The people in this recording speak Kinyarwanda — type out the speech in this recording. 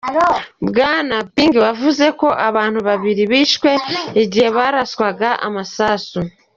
Bwana Ping wavuze ko abantu babiri bishwe igihe haraswaga amasasu.